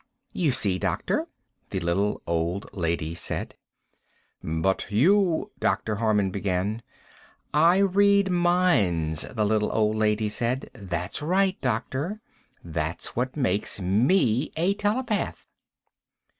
"You see, doctor?" the little old lady said. "But you " Dr. Harman began. "I read minds," the little old lady said. "That's right, doctor. That's what makes me a telepath."